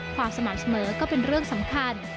สม่ำเสมอก็เป็นเรื่องสำคัญ